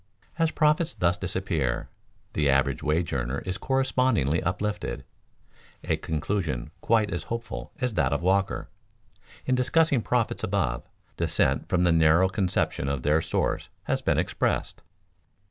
As profits thus disappear, the average wage earner is correspondingly uplifted, a conclusion quite as hopeful as that of Walker. In discussing profits above, dissent from the narrow conception of their source has been expressed.